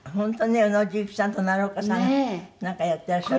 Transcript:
宇野重吉さんと奈良岡さんがなんかやってらっしゃる。